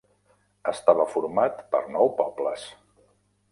Estava format per nou pobles.